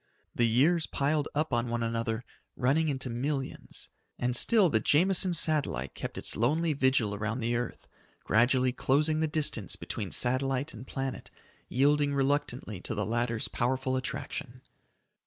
The years piled up on one another, running into millions, and still the Jameson Satellite kept its lonely vigil around the earth, gradually closing the distance between satellite and planet, yielding reluctantly to the latter's powerful attraction.